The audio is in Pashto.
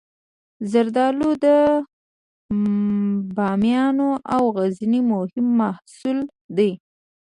زردالو د بامیان او غزني مهم محصول دی.